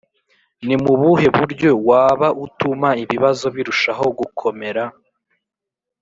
Ni mu buhe buryo waba utuma ibibazo birushaho gukomera